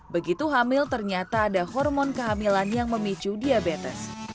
begitu hamil ternyata ada hormon kehamilan yang memicu diabetes